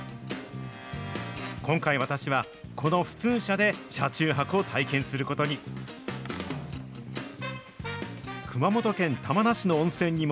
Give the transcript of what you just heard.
今回、私はこの普通車で車中泊を体験することに。